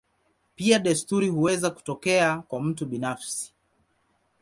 Pia desturi huweza kutokea kwa mtu binafsi.